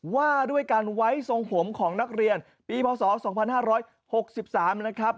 ว่าด้วยการไว้ทรงผมของนักเรียนปีพศ๒๕๖๓นะครับ